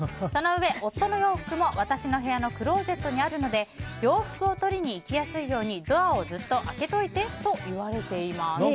そのうえ夫の洋服も私の部屋のクローゼットにあるので洋服を取りに行きやすいようにドアをずっと開けといてと言われています。